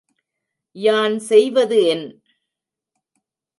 யான் செய்வது என்?